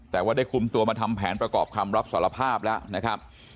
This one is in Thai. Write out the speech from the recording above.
แต่ว่าได้คุมตัวมาทำแผนประกอบคำรับสารภาพแล้วนะครับ